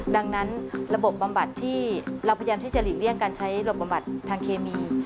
ดังนั้นระบบบำบัดที่เราพยายามที่จะหลีกเลี่ยงการใช้ระบบบำบัดทางเคมี